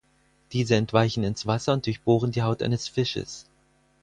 Diese entweichen ins Wasser und durchbohren die Haut eines Fisches.